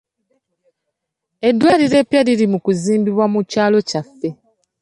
Eddwaliro eppya liri mu kuzimbibwa mu kyalo kyaffe.